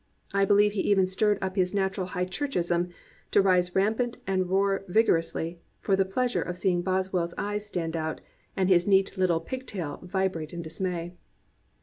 I believe he even stirred up his natural high churchism to rise rampant and roar vigourously, for the pleasure of seeing BoswelFs eyes stand out, and his neat little pigtail vibrate in dismay.